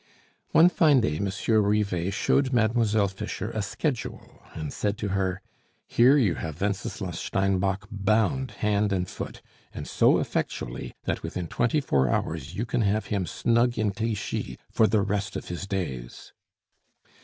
One fine day Monsieur Rivet showed Mademoiselle Fischer a schedule, and said to her: "Here you have Wenceslas Steinbock bound hand and foot, and so effectually, that within twenty four hours you can have him snug in Clichy for the rest of his days."